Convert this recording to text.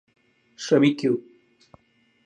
ശ്രമിക്കൂ